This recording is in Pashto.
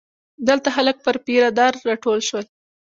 دلته خلک پر پیره دار راټول شول.